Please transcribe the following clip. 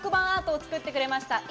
アートを作ってくれました